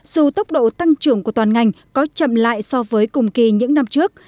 dù tốc độ tăng trưởng của toàn ngành có chậm lại so với cùng kỳ những năm trước